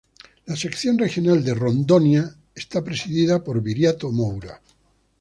La sección regional de Rondônia es presidida por Viriato Moura.